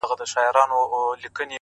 صندان د محبت دي په هر واري مخته راسي ـ